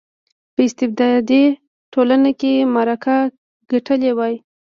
په استبدادي ټولنه کې معرکه ګټلې وای.